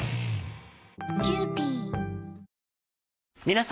皆様。